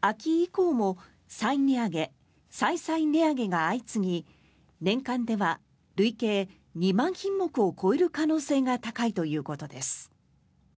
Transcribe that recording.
秋以降も再値上げ、再々値上げが相次ぎ年間では累計２万品目を超える可能性が高いということです。